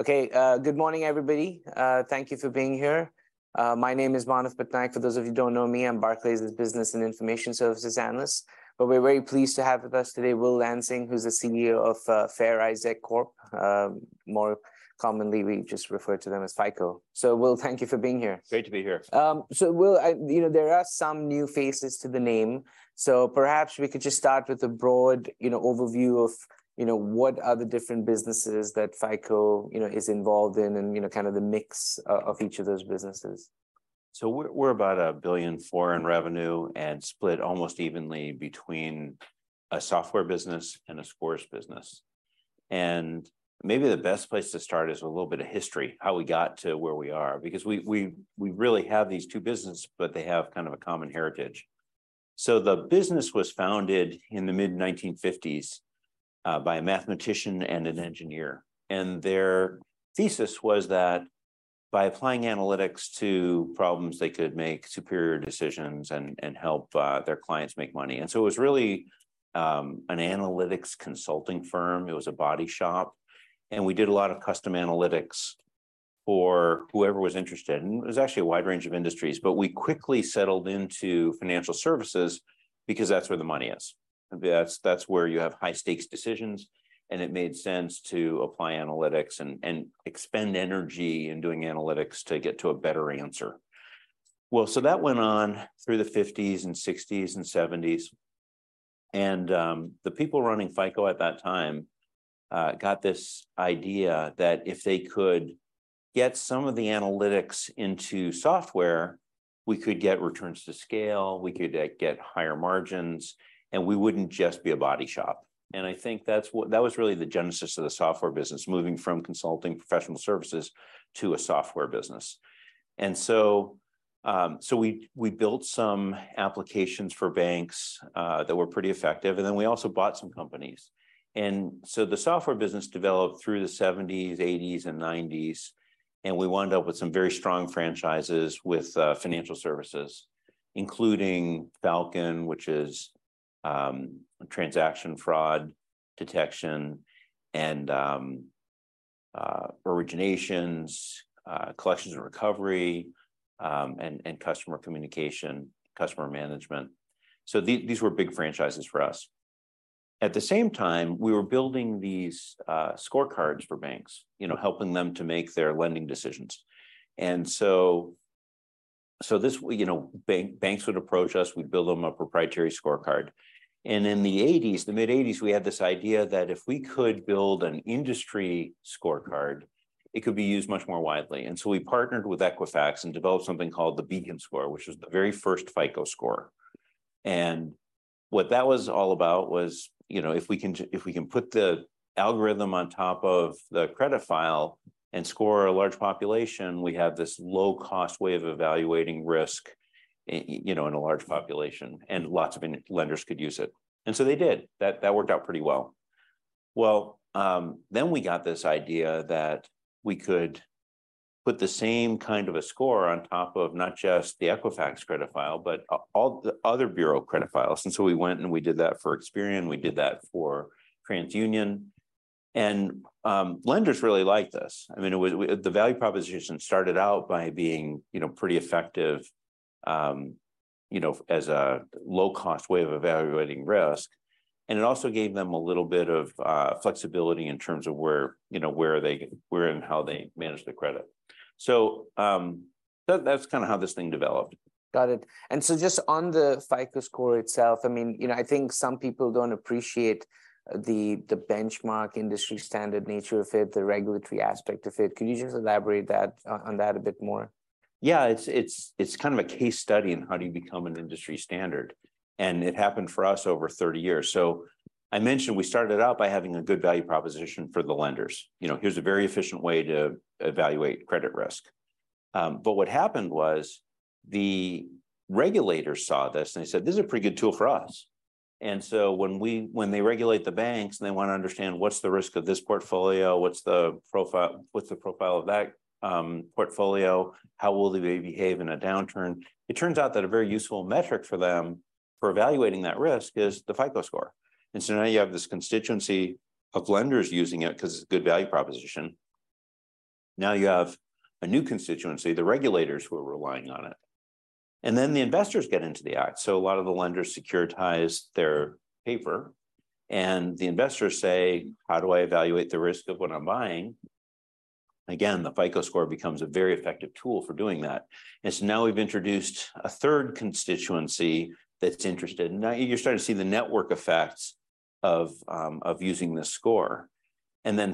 Okay, good morning, everybody. Thank you for being here. My name is Manav Patnaik. For those of you who don't know me, I'm Barclays' Business and Information Services analyst. We're very pleased to have with us today Will Lansing, who's the CEO of Fair Isaac Corporation. More commonly we just refer to them as FICO. Will, thank you for being here. Great to be here. Will, you know, there are some new faces to the name, perhaps we could just start with a broad, you know, overview of, you know, what are the different businesses that FICO, you know, is involved in and, you know, kind of the mix of each of those businesses? We're about $1.4 billion in revenue, and split almost evenly between a software business and a scores business. Maybe the best place to start is with a little bit of history, how we got to where we are, because we really have these two business, but they have kind of a common heritage. The business was founded in the mid-1950s by a mathematician and an engineer, and their thesis was that by applying analytics to problems, they could make superior decisions and help their clients make money. It was really an analytics consulting firm. It was a body shop, and we did a lot of custom analytics for whoever was interested, and it was actually a wide range of industries. We quickly settled into financial services because that's where the money is. That's where you have high-stakes decisions, and it made sense to apply analytics and expend energy in doing analytics to get to a better answer. That went on through the '50s and '60s and '70s, the people running FICO at that time got this idea that if they could get some of the analytics into software, we could get returns to scale, we could, like, get higher margins, and we wouldn't just be a body shop. That was really the genesis of the software business, moving from consulting professional services to a software business. We built some applications for banks that were pretty effective, and then we also bought some companies. The software business developed through the 1970s, 1980s, and 1990s, and we wound up with some very strong franchises with financial services, including Falcon, which is transaction fraud detection, and originations, Collections and Recovery, and customer communication, customer management. These were big franchises for us. At the same time, we were building these scorecards for banks, you know, helping them to make their lending decisions. This, you know, banks would approach us. We'd build them a proprietary scorecard. In the 1980s, the mid-1980s, we had this idea that if we could build an industry scorecard, it could be used much more widely. We partnered with Equifax and developed something called the BEACON Score, which was the very first FICO Score. What that was all about was, you know, if we can put the algorithm on top of the credit file and score a large population, we have this low-cost way of evaluating risk you know, in a large population, and lots of lenders could use it. They did. That worked out pretty well. Well, we got this idea that we could put the same kind of a score on top of not just the Equifax credit file, but all the other bureau credit files. We went and we did that for Experian, we did that for TransUnion, and lenders really liked this. I mean, it the value proposition started out by being, you know, pretty effective, you know, as a low-cost way of evaluating risk, and it also gave them a little bit of flexibility in terms of where, you know, where they and how they managed their credit. That's kind of how this thing developed. Got it. Just on the FICO Score itself, I mean, you know, I think some people don't appreciate the benchmark industry standard nature of it, the regulatory aspect of it. Could you just elaborate on that a bit more? Yeah. It's kind of a case study in how do you become an industry standard. It happened for us over 30 years. I mentioned we started out by having a good value proposition for the lenders. You know, here's a very efficient way to evaluate credit risk. What happened was the regulators saw this and they said, "This is a pretty good tool for us." When they regulate the banks and they want to understand what's the risk of this portfolio, what's the profile of that portfolio, how will they behave in a downturn, it turns out that a very useful metric for them for evaluating that risk is the FICO Score. Now you have this constituency of lenders using it 'cause it's a good value proposition. Now you have a new constituency, the regulators, who are relying on it. The investors get into the act. A lot of the lenders securitize their paper, and the investors say, "How do I evaluate the risk of what I'm buying?" Again, the FICO Score becomes a very effective tool for doing that. Now we've introduced a third constituency that's interested, and now you're starting to see the network effects of using this Score.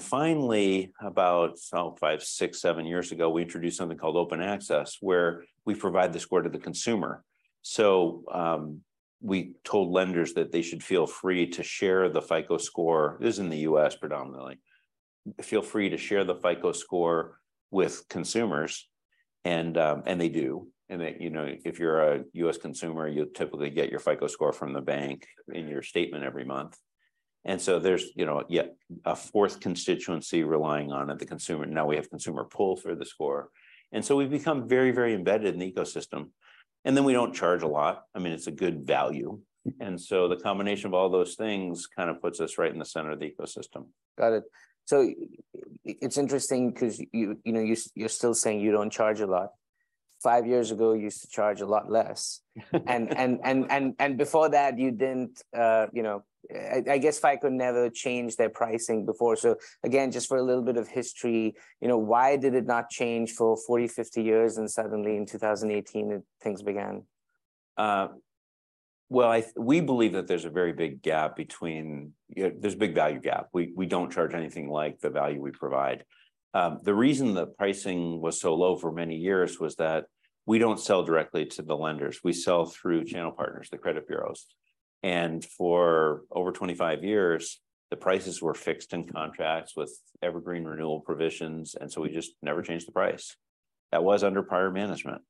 Finally, about five, six, seven years ago, we introduced something called Open Access, where we provide the Score to the consumer. We told lenders that they should feel free to share the FICO Score. This is in the US predominantly. Feel free to share the FICO Score with consumers, and they do. You know, if you're a US consumer, you'll typically get your FICO Score from the bank in your statement every month. There's, you know, yet a fourth constituency relying on it, the consumer. Now we have consumer pull for the Score. We've become very, very embedded in the ecosystem, and then we don't charge a lot. I mean, it's a good value. The combination of all those things kind of puts us right in the center of the ecosystem. Got it. It's interesting 'cause you know, you're still saying you don't charge a lot. 5 years ago, you used to charge a lot less. Before that, you didn't, you know, I guess FICO never changed their pricing before. Again, just for a little bit of history, you know, why did it not change for 40, 50 years and suddenly in 2018 things began? Well, there's a big value gap. We don't charge anything like the value we provide. The reason the pricing was so low for many years was that we don't sell directly to the lenders. We sell through channel partners, the credit bureaus. For over 25 years, the prices were fixed in contracts with evergreen renewal provisions, and so we just never changed the price. That was under prior management.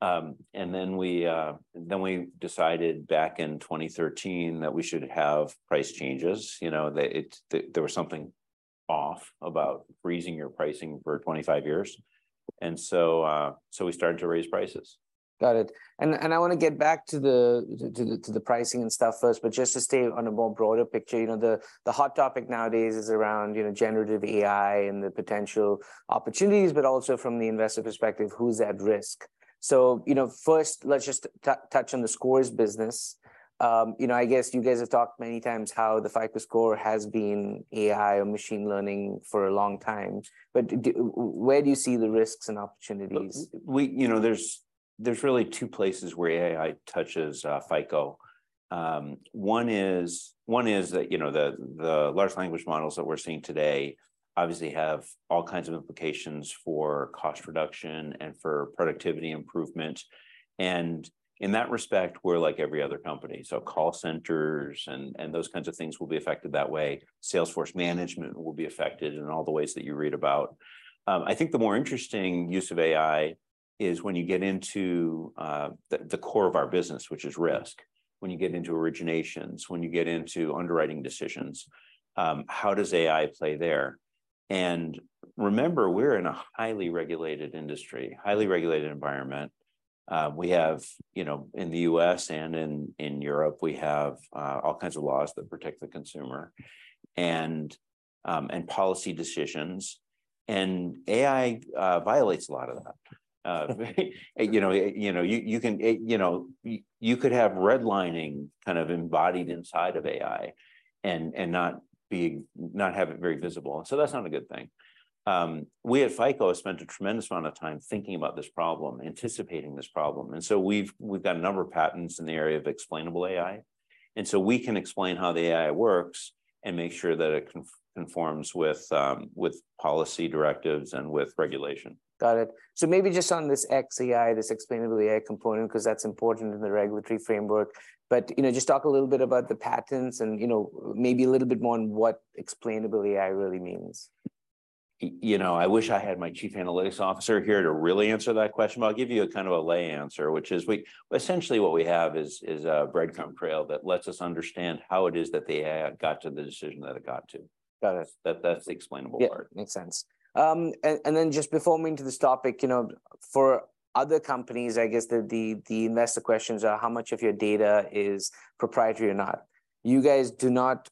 Then we decided back in 2013 that we should have price changes. You know, there was something off about freezing your pricing for 25 years. So we started to raise prices. Got it. I wanna get back to the pricing and stuff first, but just to stay on a more broader picture, you know, the hot topic nowadays is around, you know, generative AI and the potential opportunities, but also from the investor perspective, who's at risk. You know, first, let's just touch on the scores business. You know, I guess you guys have talked many times how the FICO Score has been AI or machine learning for a long time, but where do you see the risks and opportunities? Look, you know, there's really two places where AI touches FICO. One is that, you know, the large language models that we're seeing today obviously have all kinds of implications for cost reduction and for productivity improvement. In that respect, we're like every other company, so call centers and those kinds of things will be affected that way. Salesforce management will be affected in all the ways that you read about. I think the more interesting use of AI is when you get into the core of our business, which is risk, when you get into originations, when you get into underwriting decisions, how does AI play there? Remember, we're in a highly regulated industry, highly regulated environment. We have, you know, in the US and in Europe, we have all kinds of laws that protect the consumer and policy decisions. AI violates a lot of that. You know, you can, you know, you could have redlining kind of embodied inside of AI and not being, not have it very visible. That's not a good thing. We at FICO have spent a tremendous amount of time thinking about this problem, anticipating this problem. We've got a number of patents in the area of explainable AI. We can explain how the AI works and make sure that it conforms with policy directives and with regulation. Got it. Maybe just on this XAI, this explainable AI component, because that's important in the regulatory framework, but, you know, just talk a little bit about the patents and, you know, maybe a little bit more on what explainable AI really means. You know, I wish I had my chief analytics officer here to really answer that question, but I'll give you a kind of a lay answer, which is we essentially what we have is a breadcrumb trail that lets us understand how it is that the AI got to the decision that it got to. Got it. That's the explainable part. Yeah, makes sense. Then just before we move to this topic, you know, for other companies, I guess the investor questions are how much of your data is proprietary or not? You guys do not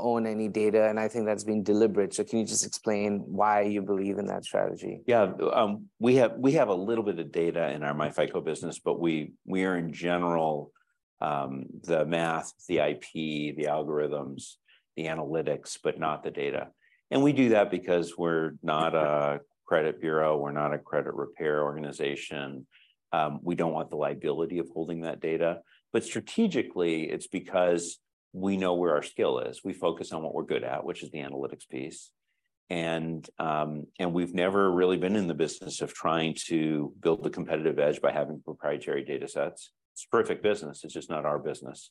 own any data, and I think that's been deliberate. Can you just explain why you believe in that strategy? Yeah. We have a little bit of data in our myFICO business, but we are in general, the math, the IP, the algorithms, the analytics, but not the data. We do that because we're not a credit bureau. We're not a credit repair organization. We don't want the liability of holding that data. Strategically, it's because we know where our skill is. We focus on what we're good at, which is the analytics piece. We've never really been in the business of trying to build a competitive edge by having proprietary data sets. It's a perfect business. It's just not our business.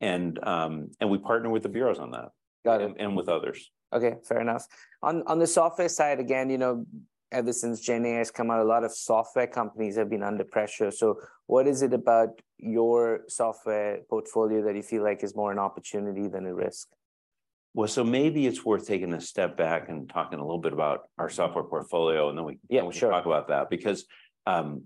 We partner with the bureaus on that. Got it.... and with others. Okay, fair enough. On the software side, again, you know, ever since GenAI has come out, a lot of software companies have been under pressure. What is it about your software portfolio that you feel like is more an opportunity than a risk? Well, maybe it's worth taking a step back and talking a little bit about our software portfolio, and then we can talk about that because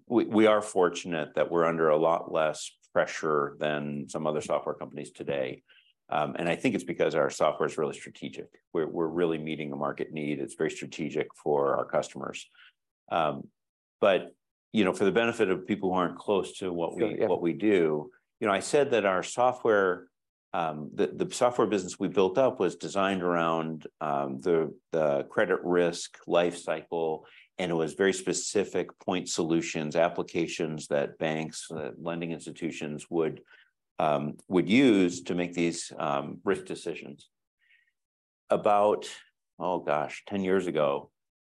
we are fortunate that we're under a lot less pressure than some other software companies today. I think it's because our software's really strategic. We're really meeting a market need. It's very strategic for our customers. You know, for the benefit of people who aren't close to what we. Sure, yeah.... what we do, you know, I said that our software, the software business we built up was designed around the credit risk life cycle. It was very specific point solutions, applications that banks, lending institutions would use to make these risk decisions. About, oh gosh, 10 years ago,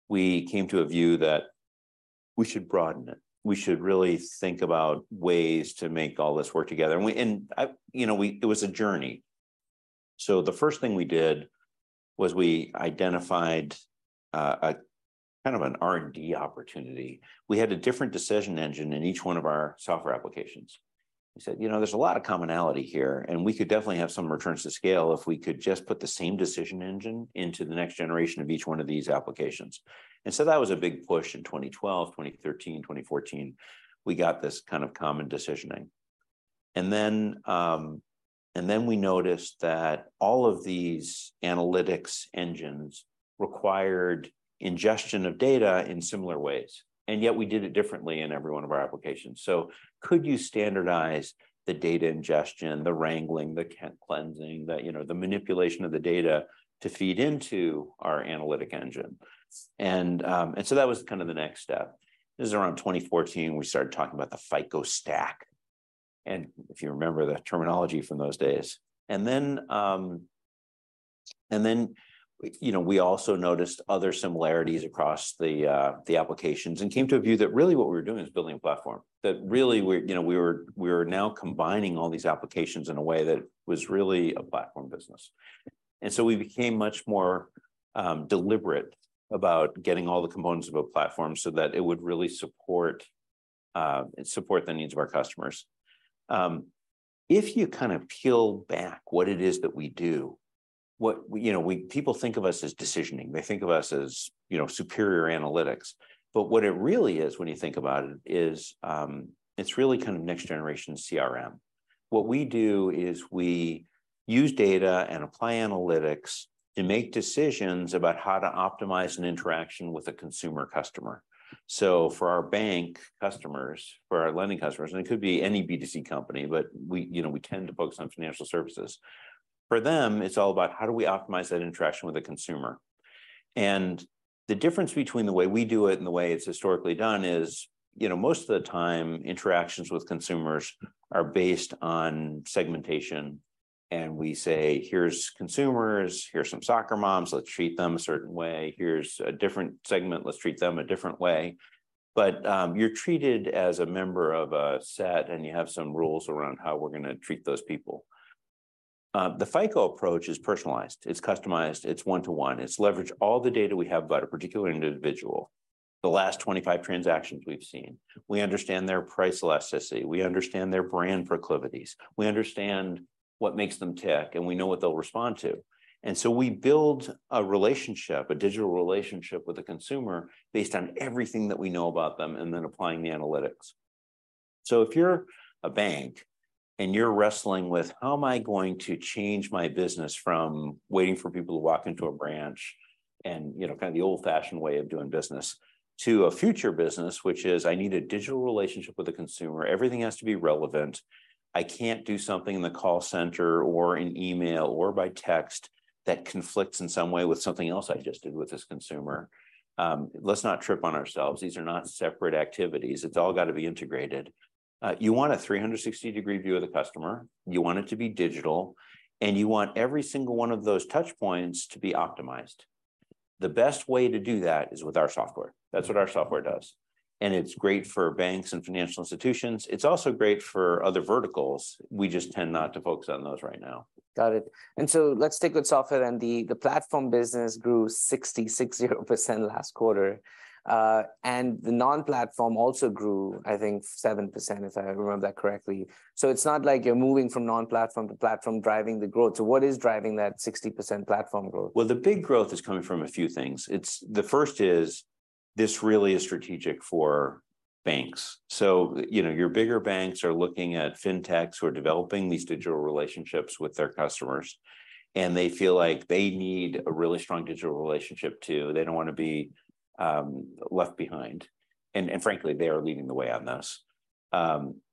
we came to a view that we should broaden it. We should really think about ways to make all this work together. I, you know, it was a journey. The first thing we did was we identified a kind of an R&D opportunity. We had a different decision engine in each one of our software applications. We said, "You know, there's a lot of commonality here, and we could definitely have some returns to scale if we could just put the same decision engine into the next generation of each one of these applications." That was a big push in 2012, 2013, 2014. We got this kind of common decisioning. Then, we noticed that all of these analytics engines required ingestion of data in similar ways, and yet we did it differently in every one of our applications. Could you standardize the data ingestion, the wrangling, the cleansing, the, you know, the manipulation of the data to feed into our analytic engine? That was kind of the next step. This is around 2014, we started talking about the FICO Stack, if you remember the terminology from those days. You know, we also noticed other similarities across the applications, and came to a view that really what we were doing was building a platform, that really we're, you know, we were now combining all these applications in a way that was really a platform business. We became much more deliberate about getting all the components of a platform so that it would really support the needs of our customers. If you kind of peel back what it is that we do, you know, people think of us as decisioning, they think of us as, you know, superior analytics. What it really is when you think about it is, it's really kind of next generation CRM. What we do is we use data and apply analytics to make decisions about how to optimize an interaction with a consumer customer. For our bank customers, for our lending customers, and it could be any B2C company, but we, you know, we tend to focus on financial services. For them, it's all about how do we optimize that interaction with a consumer? The difference between the way we do it and the way it's historically done is, you know, most of the time interactions with consumers are based on segmentation, and we say, "Here's consumers, here's some soccer moms, let's treat them a certain way. Here's a different segment, let's treat them a different way." You're treated as a member of a set, and you have some rules around how we're gonna treat those people. The FICO approach is personalized, it's customized, it's one-to-one. It's leverage all the data we have about a particular individual, the last 25 transactions we've seen. We understand their price elasticity, we understand their brand proclivities. We understand what makes them tick, and we know what they'll respond to. We build a relationship, a digital relationship with a consumer based on everything that we know about them, and then applying the analytics. If you're a bank and you're wrestling with, "How am I going to change my business from waiting for people to walk into a branch," and, you know, kind of the old-fashioned way of doing business, to a future business, which is, "I need a digital relationship with a consumer. Everything has to be relevant. I can't do something in the call center or in email or by text that conflicts in some way with something else I just did with this consumer. Let's not trip on ourselves. These are not separate activities. It's all gotta be integrated. You want a 360-degree view of the customer, you want it to be digital, and you want every single one of those touchpoints to be optimized. The best way to do that is with our software. That's what our software does, and it's great for banks and financial institutions. It's also great for other verticals. We just tend not to focus on those right now. Got it. Let's stick with software. The platform business grew 600% last quarter. The non-platform also grew, I think, 70%, if I remember that correctly. It's not like you're moving from non-platform to platform driving the growth. What is driving that 60% platform growth? The big growth is coming from a few things. The first is this really is strategic for banks. You know, your bigger banks are looking at fintechs who are developing these digital relationships with their customers, and they feel like they need a really strong digital relationship, too. They don't wanna be left behind. Frankly, they are leading the way on this.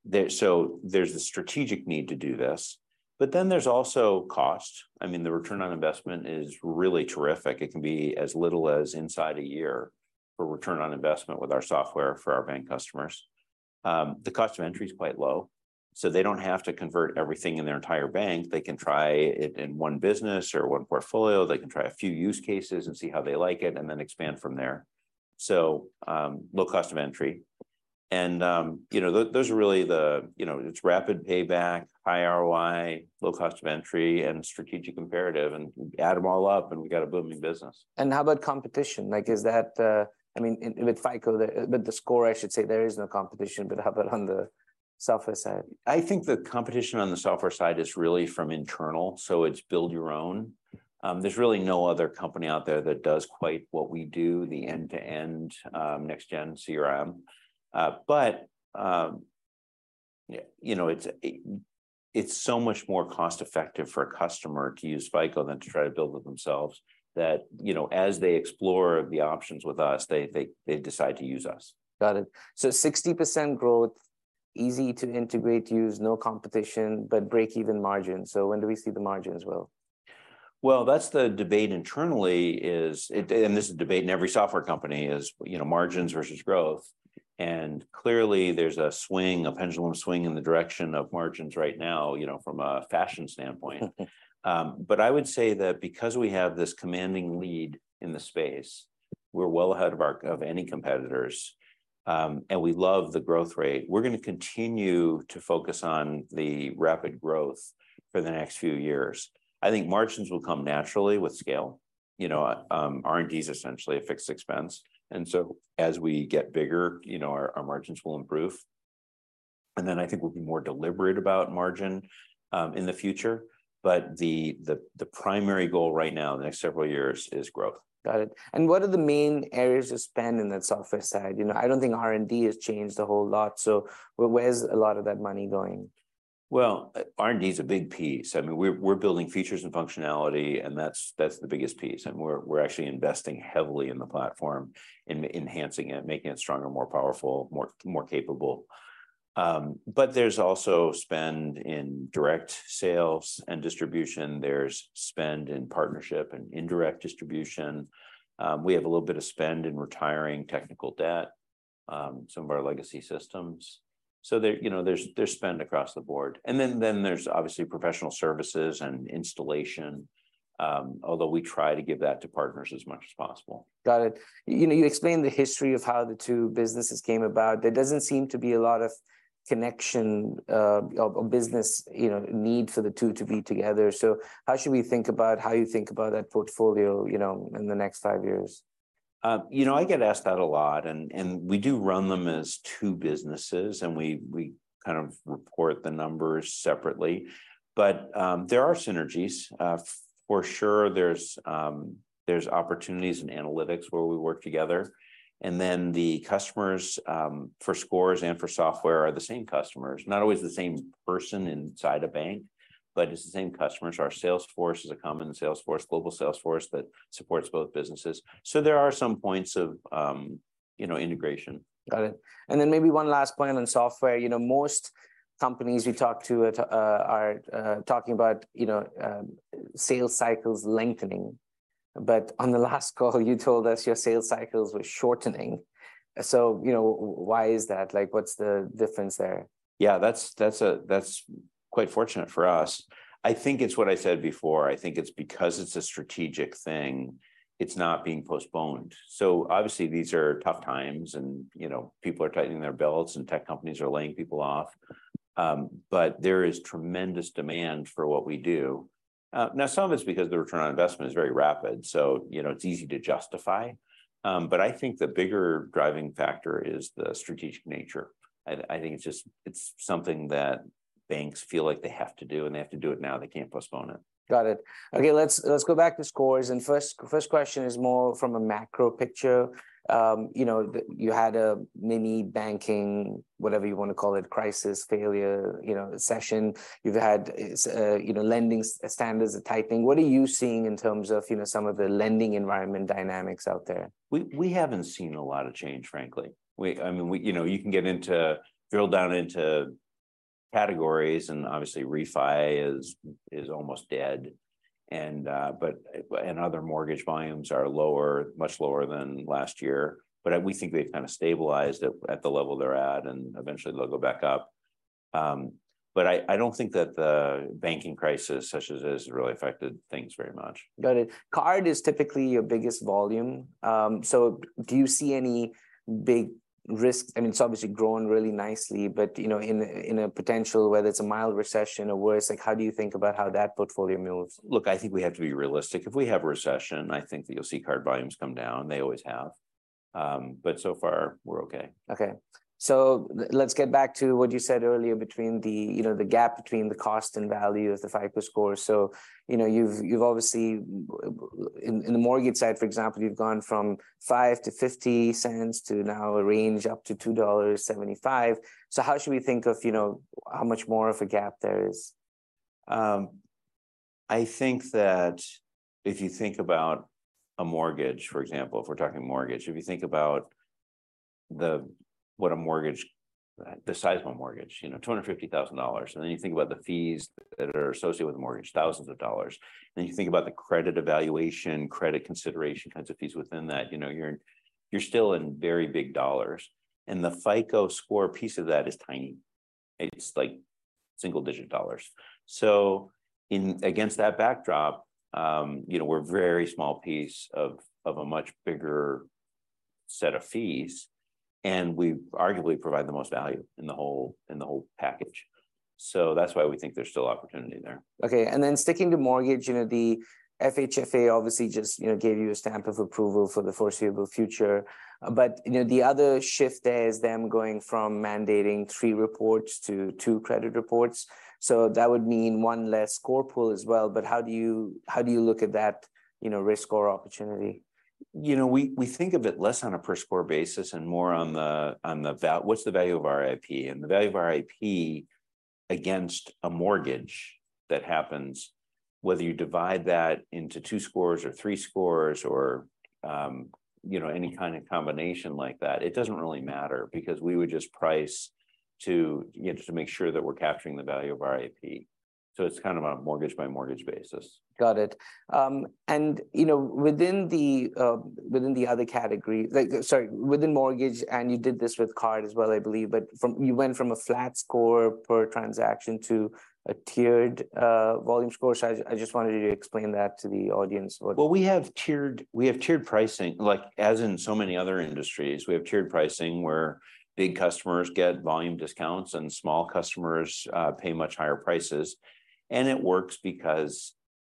There's the strategic need to do this, there's also cost. I mean, the return on investment is really terrific. It can be as little as inside a year for return on investment with our software for our bank customers. The cost of entry is quite low, they don't have to convert everything in their entire bank. They can try it in one business or one portfolio. They can try a few use cases and see how they like it, and then expand from there. Low cost of entry. You know, those are really the, you know, it's rapid payback, high ROI, low cost of entry, and strategic imperative, and add them all up, and we got a booming business. How about competition? Like, is that... I mean with FICO, with the score, I should say, there is no competition, but how about on the software side? I think the competition on the software side is really from internal, so it's build your own. There's really no other company out there that does quite what we do, the end-to-end, next gen CRM. You know, it's so much more cost-effective for a customer to use FICO than to try to build it themselves, that, you know, as they explore the options with us, they decide to use us. Got it. 60% growth, easy to integrate, use, no competition, but breakeven margins. When do we see the margins grow? Well, that's the debate internally. This is a debate in every software company, is, you know, margins versus growth. Clearly there's a swing, a pendulum swing in the direction of margins right now, you know, from a fashion standpoint. I would say that because we have this commanding lead in the space, we're well ahead of any competitors. We love the growth rate. We're gonna continue to focus on the rapid growth for the next few years. I think margins will come naturally with scale. You know, R&D is essentially a fixed expense, so as we get bigger, you know, our margins will improve. Then I think we'll be more deliberate about margin in the future. The primary goal right now, the next several years, is growth. Got it. What are the main areas of spend in that software side? You know, I don't think R&D has changed a whole lot, so where's a lot of that money going? Well, R&D's a big piece. I mean, we're building features and functionality, and that's the biggest piece, and we're actually investing heavily in the platform, in enhancing it, making it stronger, more powerful, more capable. There's also spend in direct sales and distribution. There's spend in partnership and indirect distribution. We have a little bit of spend in retiring technical debt, some of our legacy systems. You know, there's spend across the board. Then there's obviously professional services and installation, although we try to give that to partners as much as possible. Got it. You know, you explained the history of how the two businesses came about. There doesn't seem to be a lot of connection, or business, you know, need for the two to be together. How should we think about how you think about that portfolio, you know, in the next five years? You know, I get asked that a lot and we do run them as two businesses, and we kind of report the numbers separately. There are synergies. For sure there's opportunities in analytics where we work together, and then the customers for scores and for software are the same customers. Not always the same person inside a bank, but it's the same customers. Our sales force is a common sales force, global sales force that supports both businesses. There are some points of, you know, integration. Got it. Then maybe one last point on software. You know, most companies you talk to at, are, talking about, you know, sales cycles lengthening. On the last call you told us your sales cycles were shortening. You know, why is that? Like, what's the difference there? Yeah, that's quite fortunate for us. I think it's what I said before. I think it's because it's a strategic thing, it's not being postponed. Obviously these are tough times and, you know, people are tightening their belts and tech companies are laying people off. There is tremendous demand for what we do. Now some of it's because the return on investment is very rapid, so, you know, it's easy to justify. I think the bigger driving factor is the strategic nature. I think it's just, it's something that banks feel like they have to do, and they have to do it now. They can't postpone it. Got it. Okay, let's go back to scores, and first question is more from a macro picture. You know, you had a mini banking, whatever you wanna call it, crisis, failure, you know, session. You've had, you know, lending standards tightening. What are you seeing in terms of, you know, some of the lending environment dynamics out there? We haven't seen a lot of change, frankly. I mean, we, you know, you can get into, drill down into categories and obviously refi is almost dead, and, but, and other mortgage volumes are lower, much lower than last year. We think they've kind of stabilized at the level they're at, and eventually they'll go back up. I don't think that the banking crisis, such as it is, really affected things very much. Got it. Card is typically your biggest volume. Do you see any big risks? I mean, it's obviously growing really nicely, but, you know, in a, in a potential, whether it's a mild recession or worse, like how do you think about how that portfolio moves? Look, I think we have to be realistic. If we have a recession, I think that you'll see card volumes come down. They always have. So far we're okay. Okay. Let's get back to what you said earlier between the, you know, the gap between the cost and value of the FICO Score. You know, you've obviously, in the mortgage side, for example, you've gone from $0.05 to $0.50 to now a range up to $2.75. How should we think of, you know, how much more of a gap there is? I think that if you think about a mortgage, for example, if we're talking mortgage. If you think about the size of a mortgage, you know, $250,000. You think about the fees that are associated with the mortgage, thousands of dollars. You think about the credit evaluation, credit consideration kinds of fees within that. You know, you're still in very big dollars, the FICO Score piece of that is tiny. It's, like, single-digit dollars. Against that backdrop, you know, we're a very small piece of a much bigger set of fees, we arguably provide the most value in the whole, in the whole package. That's why we think there's still opportunity there. Okay. Then sticking to mortgage, you know, the FHFA obviously just, you know, gave you a stamp of approval for the foreseeable future. You know, the other shift there is them going from mandating 3 reports to 2 credit reports. That would mean 1 less score pool as well, but how do you look at that, you know, risk or opportunity? You know, we think of it less on a per score basis and more on what's the value of our IP, and the value of our IP against a mortgage that happens. Whether you divide that into 2 scores or 3 scores or, you know, any kind of combination like that, it doesn't really matter because we would just price to, you know, just to make sure that we're capturing the value of our IP. It's kind of on a mortgage-by-mortgage basis. Got it. You know, within the, within the other category, like, sorry, within mortgage, and you did this with card as well, I believe, but from, you went from a flat score per transaction to a tiered, volume score. I just wanted you to explain that to the audience. Well, we have tiered pricing. Like, as in so many other industries, we have tiered pricing where big customers get volume discounts and small customers pay much higher prices. It works because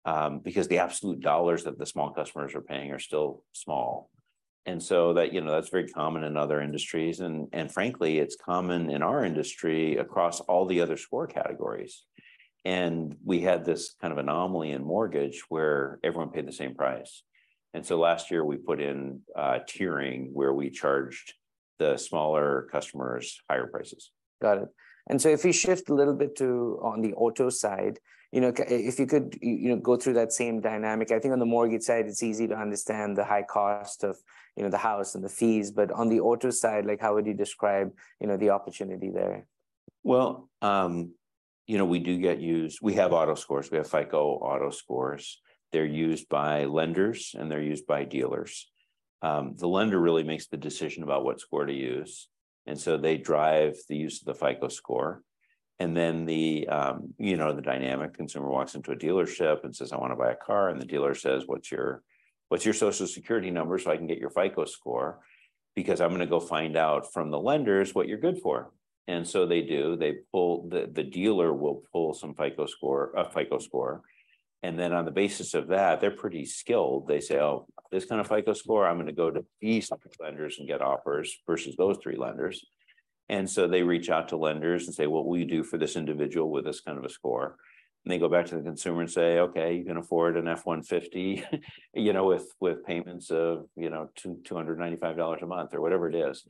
the absolute dollars that the small customers are paying are still small. So that, you know, that's very common in other industries and, frankly, it's common in our industry across all the other score categories. We had this kind of anomaly in mortgage where everyone paid the same price. So last year we put in tiering where we charged the smaller customers higher prices. Got it. If we shift a little bit to on the auto side, you know, if you could you know, go through that same dynamic. I think on the mortgage side it's easy to understand the high cost of, you know, the house and the fees, but on the auto side, like, how would you describe, you know, the opportunity there? You know, we do get used. We have auto scores. We have FICO Auto Score. They're used by lenders, and they're used by dealers. The lender really makes the decision about what score to use, and so they drive the use of the FICO Score. The, you know, the dynamic consumer walks into a dealership and says, "I wanna buy a car," and the dealer says, "What's your Social Security number so I can get your FICO Score, because I'm gonna go find out from the lenders what you're good for." They do. They pull the... The dealer will pull some FICO Score, a FICO Score, then on the basis of that, they're pretty skilled, they say, "Oh, this kind of FICO Score, I'm gonna go to these lenders and get offers versus those three lenders." They reach out to lenders and say, "What will you do for this individual with this kind of a score?" They go back to the consumer and say, "Okay, you can afford an F-150," you know, "with payments of, you know, $295 a month," or whatever it is.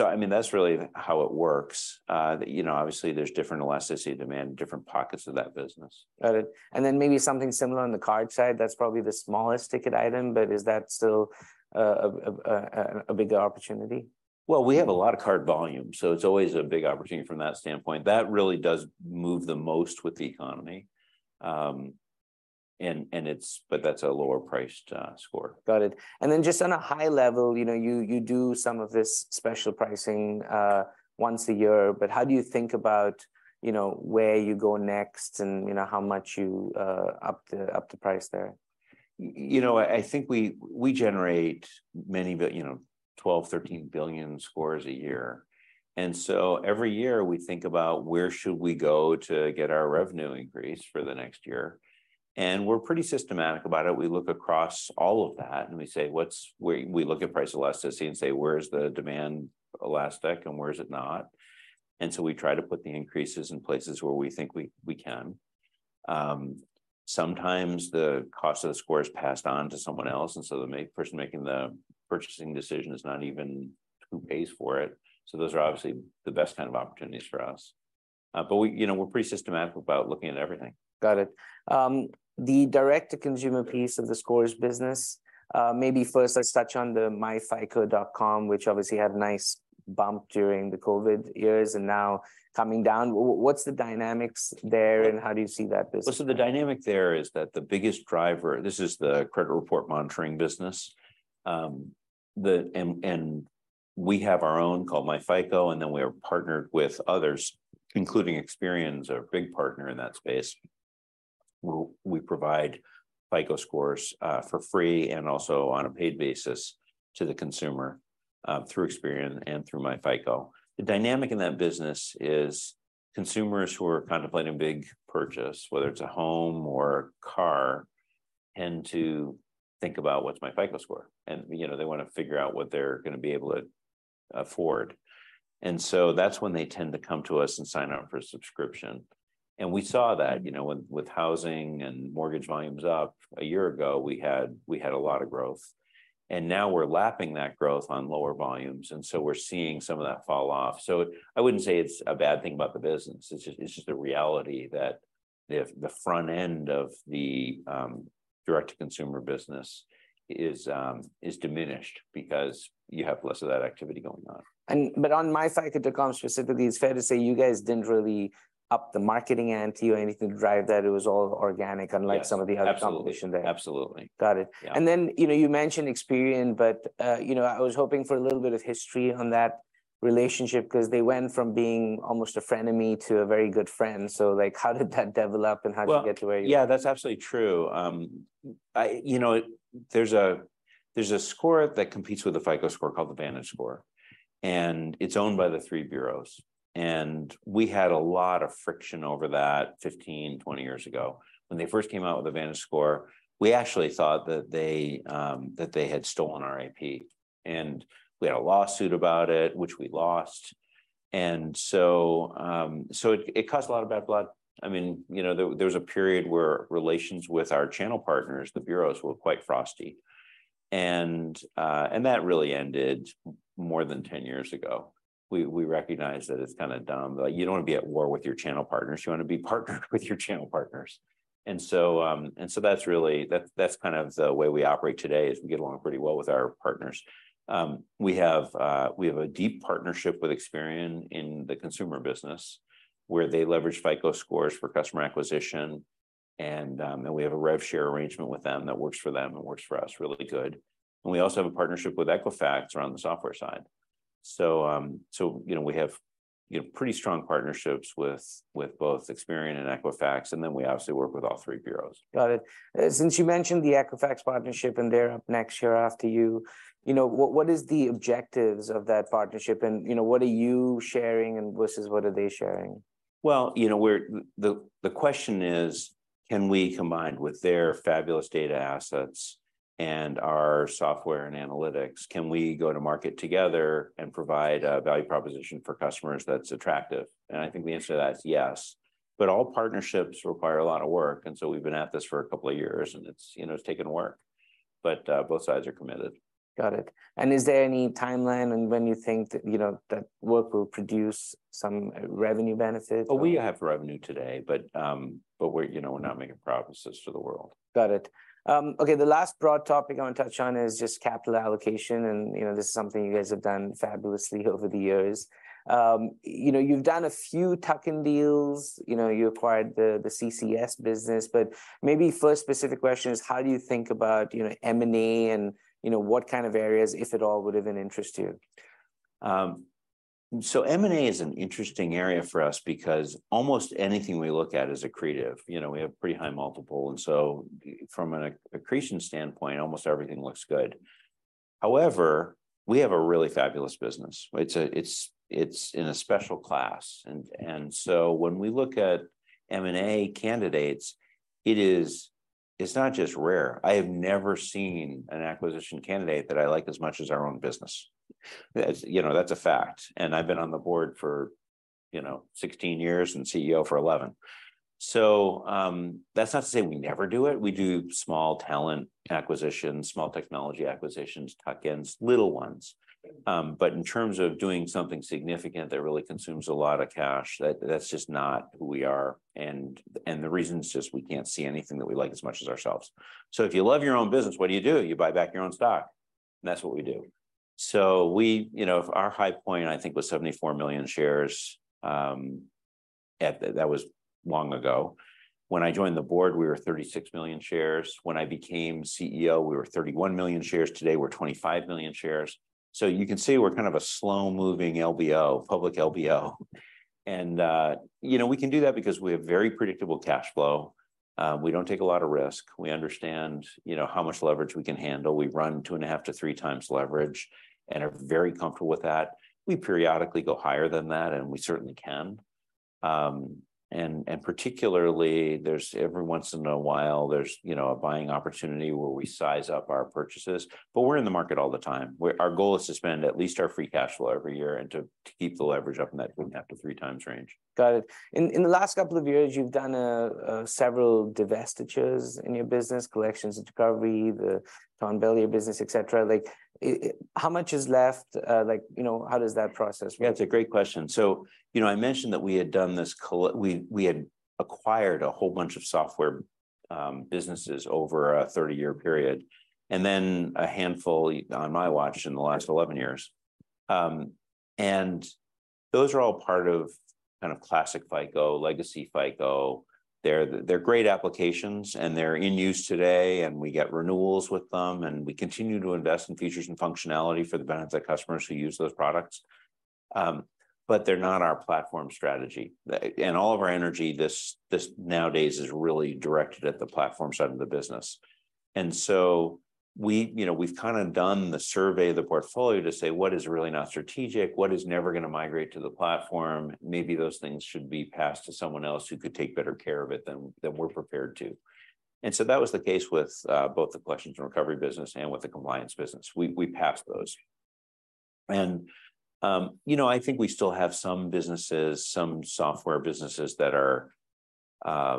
I mean, that's really how it works. You know, obviously there's different elasticity of demand in different pockets of that business. Got it. Then maybe something similar on the card side. That's probably the smallest ticket item, but is that still a bigger opportunity? Well, we have a lot of card volume, so it's always a big opportunity from that standpoint. That really does move the most with the economy. It's... that's a lower priced score. Got it. Then just on a high level, you know, you do some of this special pricing, once a year, but how do you think about, you know, where you go next and, you know, how much you up the price there? you know, I think we generate many you know, 12, 13 billion scores a year. Every year we think about where should we go to get our revenue increase for the next year, and we're pretty systematic about it. We look across all of that, and we say, We look at price elasticity and say, "Where's the demand elastic and where is it not?" We try to put the increases in places where we think we can. Sometimes the cost of the score is passed on to someone else, and so the person making the purchasing decision is not even who pays for it, so those are obviously the best kind of opportunities for us. We, you know, we're pretty systematic about looking at everything. Got it. The direct-to-consumer piece of the scores business, maybe first let's touch on the myFICO.com, which obviously had a nice bump during the COVID years and now coming down. What's the dynamics there, and how do you see that business? Well, the dynamic there is that the biggest driver, this is the credit report monitoring business. We have our own called myFICO, and then we are partnered with others, including Experian's a big partner in that space. We provide FICO Scores for free and also on a paid basis to the consumer through Experian and through myFICO. The dynamic in that business is consumers who are contemplating a big purchase, whether it's a home or a car, tend to think about what's my FICO Score, and, you know, they wanna figure out what they're gonna be able to afford. That's when they tend to come to us and sign up for a subscription. We saw that, you know, when with housing and mortgage volumes up a year ago we had a lot of growth. Now we're lapping that growth on lower volumes. We're seeing some of that fall off. I wouldn't say it's a bad thing about the business, it's just a reality that the front end of the direct-to-consumer business is diminished because you have less of that activity going on. On myFICO.com specifically, it's fair to say you guys didn't really up the marketing ante or anything to drive that. It was all organic. You know, you mentioned Experian, you know, I was hoping for a little bit of history on that relationship, 'cause they went from being almost a frenemy to a very good friend. Like, how did that develop, and how did you get to where you are? Well, yeah, that's absolutely true. I, you know, there's a, there's a score that competes with the FICO Score called the VantageScore. It's owned by the three bureaus. We had a lot of friction over that 15, 20 years ago. When they first came out with the VantageScore, we actually thought that they, that they had stolen our IP. We had a lawsuit about it, which we lost. It caused a lot of bad blood. I mean, you know, there was a period where relations with our channel partners, the bureaus, were quite frosty. That really ended more than 10 years ago. We recognized that it's kinda dumb. Like, you don't wanna be at war with your channel partners. You wanna be partnered with your channel partners. That's really, that's kind of the way we operate today is we get along pretty well with our partners. We have a deep partnership with Experian in the consumer business where they leverage FICO scores for customer acquisition, and we have a rev share arrangement with them that works for them and works for us really good. We also have a partnership with Equifax around the software side. you know, we have, you know, pretty strong partnerships with both Experian and Equifax, we obviously work with all three bureaus. Got it. since you mentioned the Equifax partnership and they're up next year after you know, what is the objectives of that partnership and, you know, what are you sharing and versus what are they sharing? Well, you know, the question is can we, combined with their fabulous data assets, And our software and analytics, can we go to market together and provide a value proposition for customers that's attractive? I think the answer to that is yes. All partnerships require a lot of work, we've been at this for a couple of years and it's, you know, it's taken work. Both sides are committed. Got it. Is there any timeline on when you think that, you know, that work will produce some revenue benefits or? We have revenue today, but we're, you know, we're not making promises to the world. Got it. Okay, the last broad topic I wanna touch on is just capital allocation and, you know, this is something you guys have done fabulously over the years. You know, you've done a few tuck-in deals. You know, you acquired the CCS business. Maybe first specific question is how do you think about, you know, M&A and, you know, what kind of areas, if at all, would even interest you? M&A is an interesting area for us because almost anything we look at is accretive. You know, we have pretty high multiple, and from an accretion standpoint, almost everything looks good. However, we have a really fabulous business. It's in a special class. When we look at M&A candidates, it's not just rare, I have never seen an acquisition candidate that I like as much as our own business. As, you know, that's a fact, and I've been on the board for, you know, 16 years and CEO for 11. That's not to say we never do it. We do small talent acquisitions, small technology acquisitions, tuck-ins, little ones. In terms of doing something significant that really consumes a lot of cash, that's just not who we are, and the reason's just we can't see anything that we like as much as ourselves. If you love your own business, what do you do? You buy back your own stock, and that's what we do. We, you know, our high point I think was 74 million shares. That was long ago. When I joined the board, we were 36 million shares. When I became CEO, we were 31 million shares. Today, we're 25 million shares. You can see we're kind of a slow-moving LBO, public LBO. You know, we can do that because we have very predictable cashflow. We don't take a lot of risk. We understand, you know, how much leverage we can handle. We run 2.5-3 times leverage, and are very comfortable with that. We periodically go higher than that, and we certainly can. Particularly there's, every once in a while there's, you know, a buying opportunity where we size up our purchases, but we're in the market all the time. Our goal is to spend at least our free cashflow every year and to keep the leverage up in that 2.5-3 times range. Got it. In the last couple of years, you've done several divestitures in your business, Collections and Recovery, the TransUnion business, et cetera. Like, how much is left? Like, you know, how does that process work? Yeah, it's a great question. You know, I mentioned that we had acquired a whole bunch of software, businesses over a 30-year period, and then a handful on my watch in the last 11 years. Those are all part of kind of classic FICO, legacy FICO. They're great applications and they're in use today, and we get renewals with them, and we continue to invest in features and functionality for the benefit of customers who use those products. They're not our platform strategy. All of our energy this nowadays is really directed at the platform side of the business. We, you know, we've kinda done the survey of the portfolio to say what is really not strategic, what is never gonna migrate to the platform, maybe those things should be passed to someone else who could take better care of it than we're prepared to. That was the case with both the Collections and Recovery business and with the Compliance business. We passed those. You know, I think we still have some businesses, some software businesses that are... Yeah,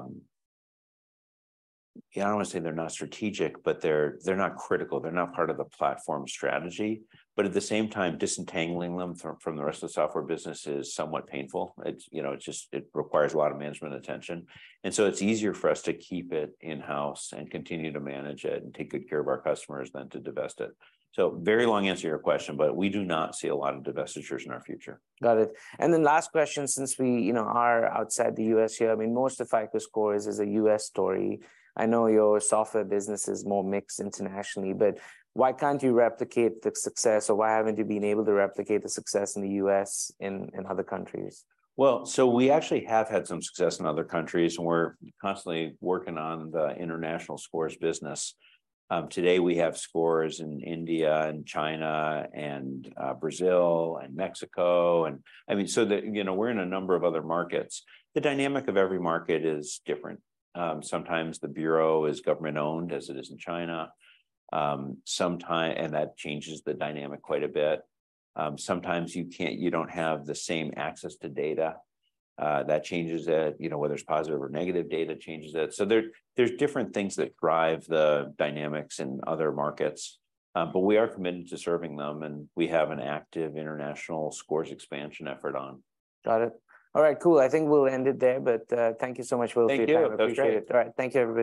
I don't wanna say they're not strategic, but they're not critical. They're not part of the platform strategy. At the same time, disentangling them from the rest of the software business is somewhat painful. It's, you know, it's just, it requires a lot of management attention. It's easier for us to keep it in-house and continue to manage it and take good care of our customers than to divest it. Very long answer to your question, but we do not see a lot of divestitures in our future. Got it. Last question, since we, you know, are outside the US here, I mean, most of FICO Scores is a US story. I know your software business is more mixed internationally, but why can't you replicate the success or why haven't you been able to replicate the success in the US in other countries? Well, we actually have had some success in other countries, and we're constantly working on the international scores business. Today we have scores in India and China and Brazil and Mexico. I mean, you know, we're in a number of other markets. The dynamic of every market is different. Sometimes the bureau is government-owned, as it is in China, and that changes the dynamic quite a bit. Sometimes you can't, you don't have the same access to data. That changes it. You know, whether it's positive or negative data changes it. There, there's different things that drive the dynamics in other markets, but we are committed to serving them, and we have an active international scores expansion effort on. Got it. All right, cool. I think we'll end it there, but, thank you so much, Will. Thank you. That was great. for your time. I appreciate it. All right. Thank you, everybody